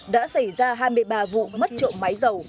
đã xảy ra hai mươi ba vụ mất trộm máy dầu